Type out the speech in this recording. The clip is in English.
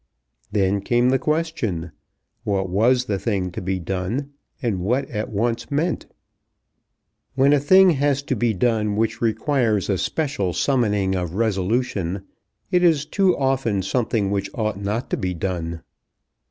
Then came the question what was the thing to be done, and what at once meant? When a thing has to be done which requires a special summoning of resolution, it is too often something which ought not to be done.